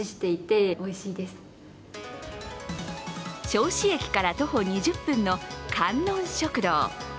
銚子駅から徒歩２０分の観音食堂。